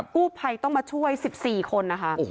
กู้ภัยต้องมาช่วย๑๔คนนะคะ